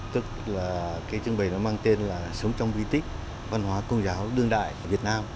tức là cái trưng bày nó mang tên là sống trong di tích văn hóa công giáo đương đại của việt nam